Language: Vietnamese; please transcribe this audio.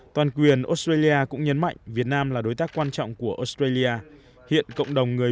toàn quyền australia cũng nhấn mạnh việt nam là đối tác quan trọng